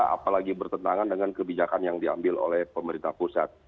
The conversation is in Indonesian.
apalagi bertentangan dengan kebijakan yang diambil oleh pemerintah pusat